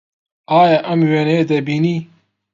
ئایا ئەم وێنەیە دەبینی؟